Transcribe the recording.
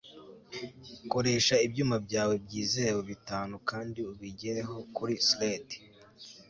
koresha ibyuma byawe byizewe bitanu kandi ubigereho kuri sled